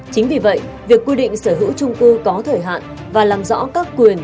chính vì vậy việc quy định sở hữu trung cư có thời hạn và làm rõ các quyền